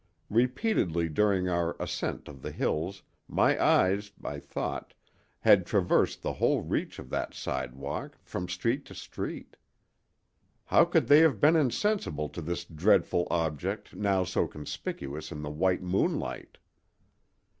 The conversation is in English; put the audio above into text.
Repeatedly during our ascent of the hill my eyes, I thought, had traversed the whole reach of that sidewalk, from street to street. How could they have been insensible to this dreadful object now so conspicuous in the white moonlight?